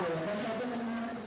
kursi pemerintahan dki jakarta